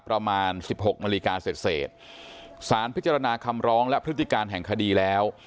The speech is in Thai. ประมาณสิบหกนาฬิกาเสร็จเสร็จสารพิจารณาคำร้องและพฤติการแห่งคดีแล้ว